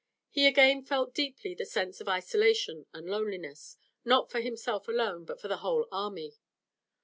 He again felt deeply the sense of isolation and loneliness, not for himself alone, but for the whole army.